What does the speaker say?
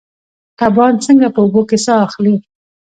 کبان څنګه په اوبو کې ساه اخلي؟